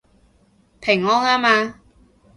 平安吖嘛